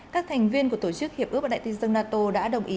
các thành viên của tổ chức hiệp ước và đại tinh dân nato đã đồng ý